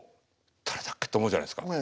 誰だっけ？って思うじゃないですか。